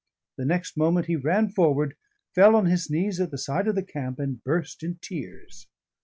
The next moment he ran forward, fell on his knees at the side of the camp, and burst in tears.